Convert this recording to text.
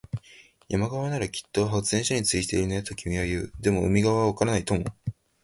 山側ならきっと発電所に通じているね、と君は言う。でも、海側はわからないとも。